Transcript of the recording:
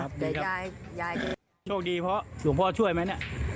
โอ้โฮโลกพ่อช่วยไหม